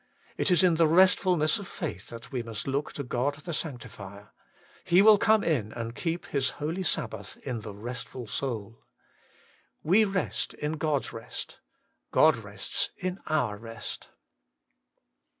It is in the restfulness of faith that we must look to God the Sanctifier ; He will come in and keep His holy Sabbath in the restful soul. We rest in God's rest ; God rests in our rest.